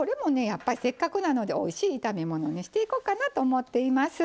やっぱりせっかくなのでおいしい炒め物にしていこうかなと思っています。